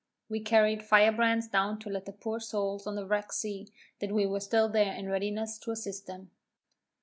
We carried fire brands down to let the poor souls on the wreck see that we were still there in readiness to assist them.